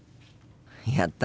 やった！